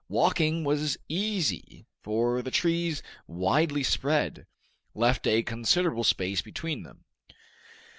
Walking was easy, for the trees widely spread, left a considerable space between them.